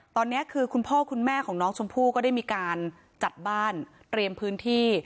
ตอนนี้คือคุณพ่อคุณแม่ของน้องชมพู่ก็ได้มีการจัดบ้านเตรียมพื้นที่